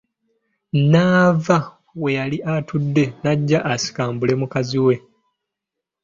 N’ava we yali atudde najja asikambule mukazi we.